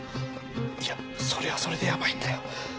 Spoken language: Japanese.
いやそれはそれでやばいんだよ。